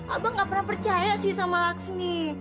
abang nggak pernah percaya sih sama laksmi